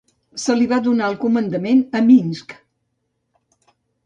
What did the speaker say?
Se li va donar el comandament a Minsk.